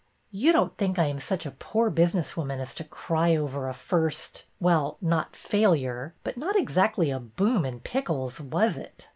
You don't think I am such a poor business woman as to cry over a first — well, not failure, but not exactly a boom in pic kles, was it